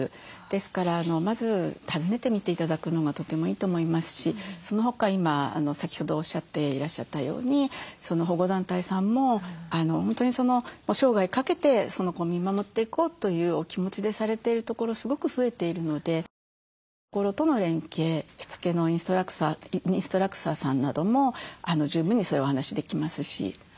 ですからまず訪ねてみて頂くのがとてもいいと思いますしそのほか今先ほどおっしゃっていらっしゃったように保護団体さんも本当に生涯かけてその子を見守っていこうというお気持ちでされているところすごく増えているのでそういったところとの連携しつけのインストラクターさんなども十分にそういうお話できますし。